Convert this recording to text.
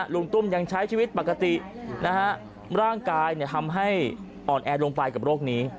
ลุงตุ้มยังใช้ชีวิตปกตินะฮะร่างกายทำให้อ่อนแอลงไปกับโรคนี้